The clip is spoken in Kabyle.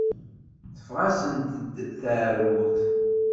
Teffeɣ-asent-d teεrurt.